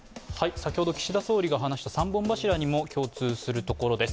先ほど、岸田総理の話、三本柱にも共通するところです。